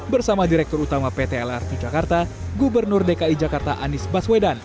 bersama direktur utama pt lrt jakarta gubernur dki jakarta anies baswedan